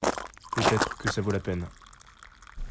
peut-être que ça vaut la peine.